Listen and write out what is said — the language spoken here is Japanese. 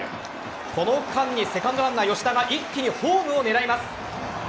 この間にセカンドランナー・吉田が一気にホームを狙います。